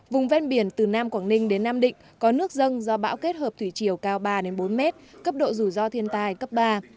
vùng ven biển từ nam quảng ninh đến nam định có nước dân do bão kết hợp thủy chiều cao ba bốn m cấp độ rủi ro thiên tai cấp ba